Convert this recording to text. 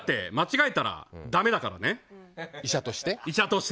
医者として？